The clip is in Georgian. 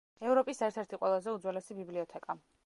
ევროპის ერთ-ერთი ყველაზე უძველესი ბიბლიოთეკა.